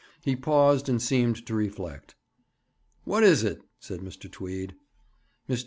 He paused, and seemed to reflect. 'What is it?' said Mr. Tweed. Mr.